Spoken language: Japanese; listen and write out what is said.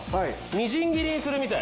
みじん切りにするみたい。